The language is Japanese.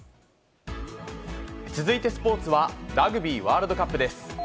続いてスポーツは、ラグビーワールドカップです。